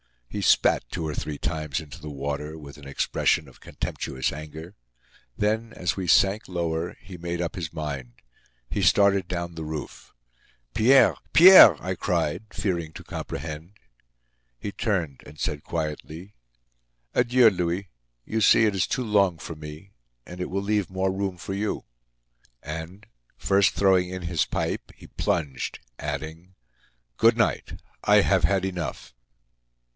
He spat two or three times into the water, with an expression of contemptuous anger. Then, as we sank lower, he made up his mind; he started down the roof. "Pierre! Pierre!" I cried, fearing to comprehend. He turned and said quietly: "Adieu, Louis! You see, it is too long for me. And it will leave more room for you." And, first throwing in his pipe, he plunged, adding: "Good night! I have had enough!"